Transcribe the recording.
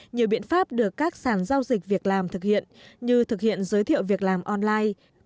nhiều biện pháp được các sản giao dịch việc làm thực hiện như thực hiện giới thiệu việc làm online